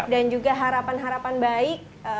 dan juga harapan harapan baik